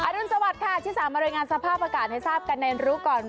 รุนสวัสดิ์ค่ะที่สามารถรายงานสภาพอากาศให้ทราบกันในรู้ก่อน